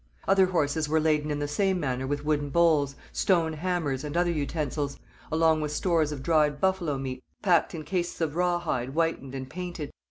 Other horses were laden in the same manner with wooden bowls, stone hammers, and other utensils, along with stores of dried buffalo meat packed in cases of raw hide whitened and painted.